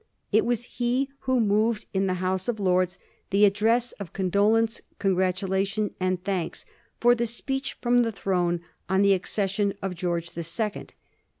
It was he who moved in the House of Lords the *' ad dress of condolence, congratulation, and thanks" for the speech from the throne on the accession of George the Second.